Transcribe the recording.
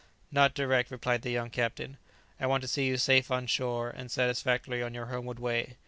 "Not direct," replied the young captain; "I want to see you safe on shore and satisfactorily on your homeward way.